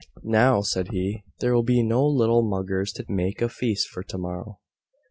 "Now," said he, "there will be no little muggers to make a feast for tomorrow."